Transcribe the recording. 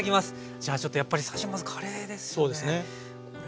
じゃあちょっとやっぱり最初まずカレーですよね。